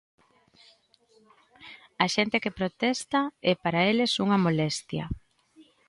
A xente que protesta é para eles unha molestia.